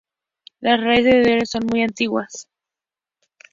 Las raíces de Edirne son muy antiguas.